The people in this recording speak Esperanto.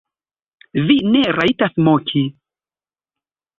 Vi ne rajtas moki!